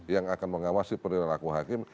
yang akan mengawasi perilaku hakim